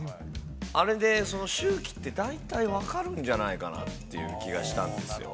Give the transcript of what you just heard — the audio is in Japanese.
あれで周期って大体分かるんじゃないかなっていう気がしたんですよ